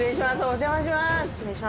お邪魔します。